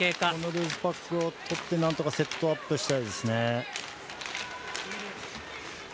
ルーズパックを取ってなんとかセットアップしたいです。